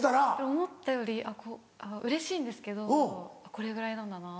思ったよりうれしいんですけどこれぐらいなんだな。